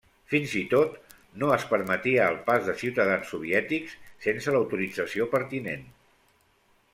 Fins i tot no es permetia el pas de ciutadans soviètics sense l'autorització pertinent.